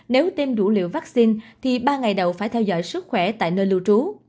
nếu tiêm đủ liều vaccine thì ba ngày đầu phải theo dõi sức khỏe tại nơi lưu trú